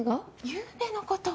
ゆうべの事！